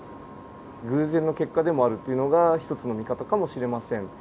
偶然の結果でもあるっていうのが一つの見方かもしれません。